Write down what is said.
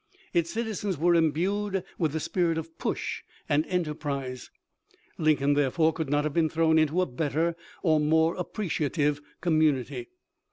Its citizens were imbued with the spirit of push and enterprise. Lincoln therefore could not have been thrown into a better or more appreciative community.